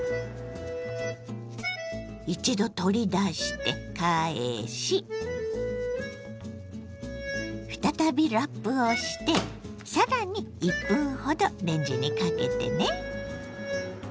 一度取り出して返し再びラップをして更に１分ほどレンジにかけてね。